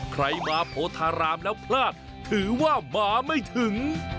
ใครมาโพธารามแล้วพลาดถือว่ามาไม่ถึง